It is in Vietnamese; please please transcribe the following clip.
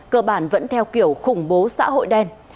cơ bản vẫn theo kiểu khủng bố xã hội đen